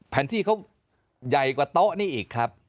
แผนที่เขาใหญ่กว่าโต๊ะนี่อีกครับ